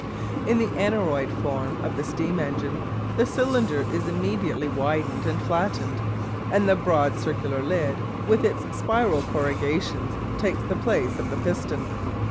In the aneroid form of the steam engine the cylinder is immensely widened and flattened, and the broad circular lid, with its spiral corrugations, takes the place of the piston.